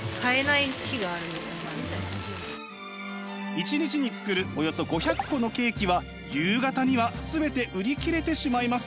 一日に作るおよそ５００個のケーキは夕方には全て売り切れてしまいます。